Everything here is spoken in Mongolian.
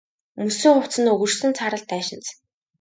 Өмссөн хувцас нь өгөршсөн саарал даашинз.